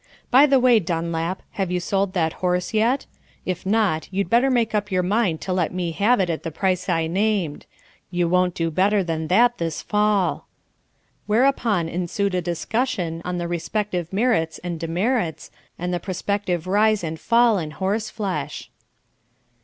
By the way, Dunlap, have you sold that horse yet? If not, you better make up your mind to let me have it at the price I named. You won't do better than that this fell." Whereupon ensued a discussion on the respective merits and demerits, and the prospective rise and fall in horse flesh.